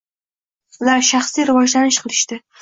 Ular shaxsiy rivojlanish qilishdi.